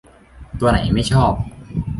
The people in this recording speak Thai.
ตัวไหนไม่ชอบ